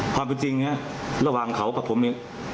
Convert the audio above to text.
ความเป็นจริงระหว่างเขากับผมเนี่ย